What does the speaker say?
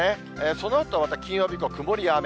そのあとまた金曜日以降、曇りや雨。